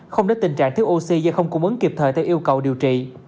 không đến tình trạng thiếu oxy và không cung ứng kịp thời theo yêu cầu điều trị